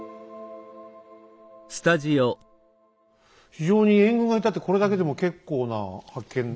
非常に援軍がいたってこれだけでも結構な発見だねえ。